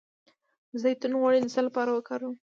د زیتون غوړي د څه لپاره وکاروم؟